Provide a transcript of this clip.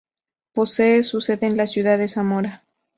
Posee su sede en la ciudad de Zamora.